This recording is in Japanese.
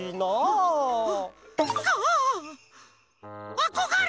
あこがれ！